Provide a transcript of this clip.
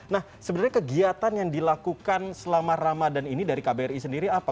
nah sebenarnya kegiatan yang dilakukan selama ramadan ini dari kbri sendiri apa